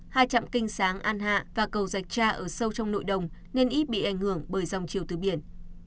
hai trạm kinh sáng an hạ và cầu dạch tra ở sâu trong nội đồng nên ít bị ảnh hưởng bởi dòng chiều thứ biển